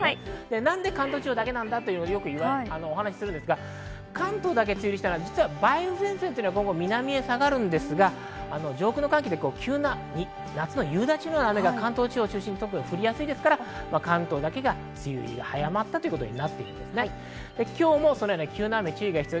なぜ関東地方だけかと言いますと、関東だけ梅雨入りしたのは梅雨前線が南へ下がるんですが、上空の寒気は急な夏の夕立のような雨が関東地方を中心に降りやすいですから、関東だけが梅雨入りが早まったということです。